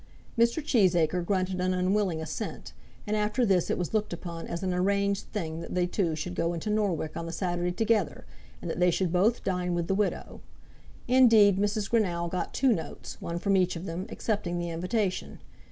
Mr. Cheesacre grunted an unwilling assent, and after this it was looked upon as an arranged thing that they two should go into Norwich on the Saturday together, and that they should both dine with the widow. Indeed, Mrs. Greenow got two notes, one from each of them, accepting the invitation.